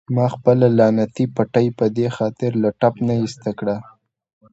ما خپله لعنتي پټۍ په دې خاطر له ټپ نه ایسته کړه.